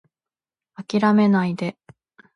諦めないで